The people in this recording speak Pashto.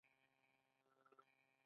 په دې مبارزه کې تاوتریخوالی نشته.